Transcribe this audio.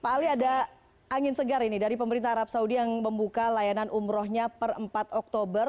pak ali ada angin segar ini dari pemerintah arab saudi yang membuka layanan umrohnya per empat oktober